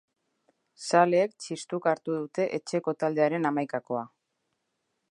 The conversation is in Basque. Zaleek txistuka hartu dute etxeko taldearen hamaikakoa.